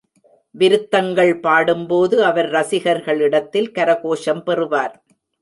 விருத்தங்கள் பாடும்போது அவர் ரசிகர்களிடத்தில் கரகோஷம் பெறுவார்.